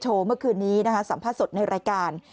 เมื่อคืนนี้นะคะสัมภาษณ์สดในรายการ